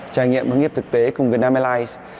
trải nghiệm hướng nghiệp thực tế cùng việt nam airlines